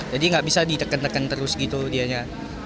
jadi gak bisa diteken teken terus gitu dianya